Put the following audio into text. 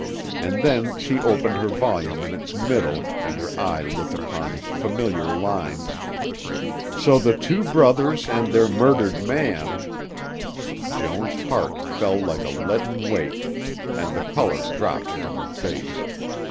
And then she opened her volume in its middle and her eye looked upon familiar lines "So the two brothers and their murdered man " Joan's heart fell like a leaden weight and the color dropped from her face.